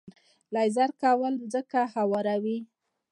لیزر لیول ځمکه هواروي.